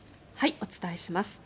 お伝えします。